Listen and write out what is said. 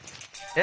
え？